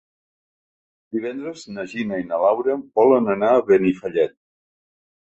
Divendres na Gina i na Laura volen anar a Benifallet.